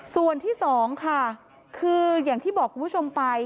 ส่วนที่๒ค่ะคืออย่างที่บอกคุณผู้ชมไป